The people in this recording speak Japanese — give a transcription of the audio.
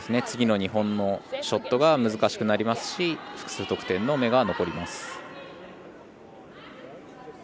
次の日本のショットが難しくなりますし複数得点の目が残ります。